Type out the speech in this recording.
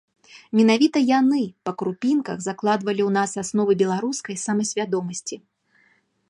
Менавіта яны па крупінках закладвалі ў нас асновы беларускай самасвядомасці.